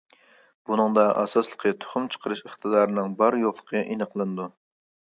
بۇنىڭدا ئاساسلىقى تۇخۇم چىقىرىش ئىقتىدارىنىڭ بار-يوقلۇقى ئېنىقلىنىدۇ.